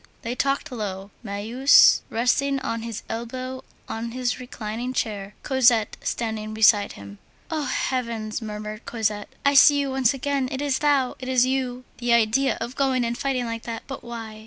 They talked low. Marius, resting on his elbow on his reclining chair, Cosette standing beside him. "Oh, heavens!" murmured Cosette, "I see you once again! it is thou! it is you! The idea of going and fighting like that! But why?